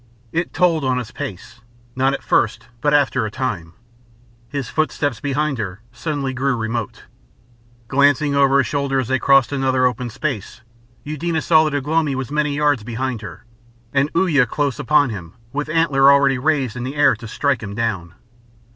It told on his pace not at first, but after a time. His footsteps behind her suddenly grew remote. Glancing over her shoulder as they crossed another open space, Eudena saw that Ugh lomi was many yards behind her, and Uya close upon him, with antler already raised in the air to strike him down.